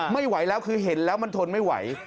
ไม่ไหวแล้วคือเห็นแล้วมันทนไม่ไหว